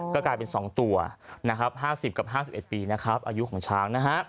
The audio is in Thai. ก็กลายเป็น๒ตัว๕๐กับ๕๑ปีอายุของช้าง